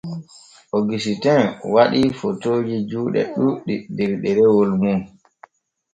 Ogusitin waɗii fotooji juuɗe ɗuuɗɗi der ɗerewol mum.